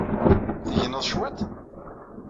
Tegneḍ cwiṭ?